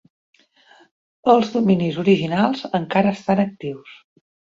Els dominis originals encara estan actius.